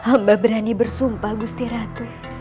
hamba berani bersumpah gusti ratu